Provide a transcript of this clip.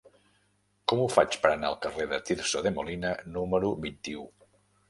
Com ho faig per anar al carrer de Tirso de Molina número vint-i-u?